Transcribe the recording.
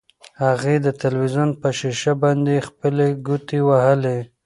هغې د تلویزیون په شیشه باندې خپلې ګوتې وهلې.